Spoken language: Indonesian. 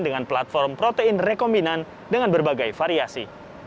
dengan platform protein rekombinan dengan berbagai variasi